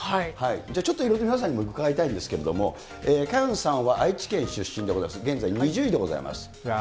じゃあ、ちょっといろいろ皆さんにも伺いたいんですけれども、萱野さんは愛知県出身でございます、現在２０位でございます。